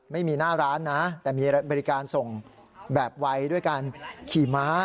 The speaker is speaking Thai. ไม่มีหน้าร้านนะแต่มีบริการส่งแบบวัยด้วยการขี่ม้า